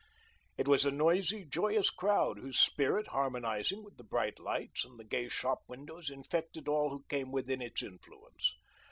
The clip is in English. It was a noisy, joyous crowd whose spirit, harmonizing with the bright lights and the gay shop windows, infected all who came within its influence.